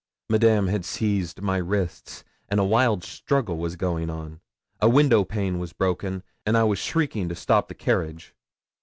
Madame had seized my wrists, and a wild struggle was going on. A window pane was broken, and I was shrieking to stop the carriage.